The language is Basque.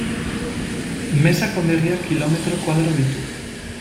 Mesa konderriak kilometro koadro ditu.